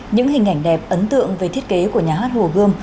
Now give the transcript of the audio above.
những hình ảnh đẹp ấn tượng về thiết kế của nhà hát hồ gươm